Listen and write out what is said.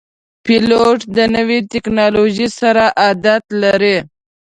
پیلوټ د نوي ټکنالوژۍ سره عادت لري.